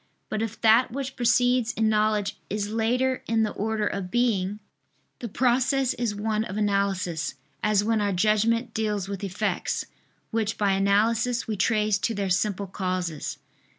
But if that which precedes in knowledge is later in the order of being, the process is one of analysis, as when our judgment deals with effects, which by analysis we trace to their simple causes.